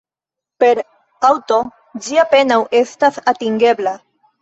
Per aŭto ĝi apenaŭ estas atingebla.